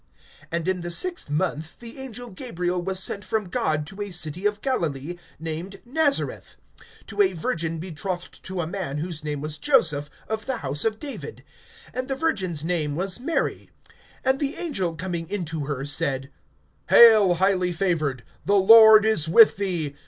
(26)And in the sixth month the angel Gabriel was sent from God to a city of Galilee, named Nazareth, (27)to a virgin betrothed to a man whose name was Joseph, of the house of David; and the virgin's name was Mary. (28)And the angel coming in to her, said: Hail, highly favored! The Lord is with thee.